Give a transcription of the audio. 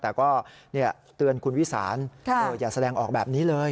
แต่ก็เตือนคุณวิสานอย่าแสดงออกแบบนี้เลย